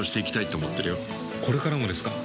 これからもですか？